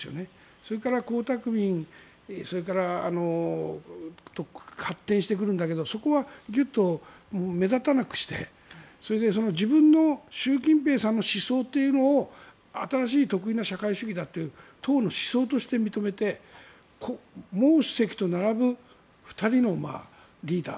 それから江沢民などから発展してくるんだけどそこはギュッと目立たなくしてそれで自分の習近平さんの思想というのを新しい特異な社会主義として党の思想として認めて毛主席と並ぶ２人のリーダー。